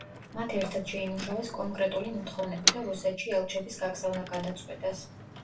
მათ ერთად შეიმუშავეს კონკრეტული მოთხოვნები და რუსეთში ელჩების გაგზავნა გადაწყვიტეს.